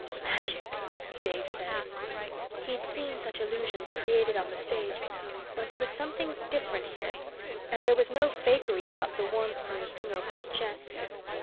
"Magic!" Dave said. He'd seen such illusions created on the stage, but there was something different here. And there was no fakery about the warmth from the thing over his chest.